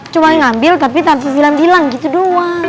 cuma ngambil tapi tampil bilang gitu doang